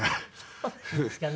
そうなんですかね。